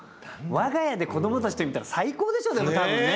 我が家で子どもたちと見たら最高でしょうね多分ね。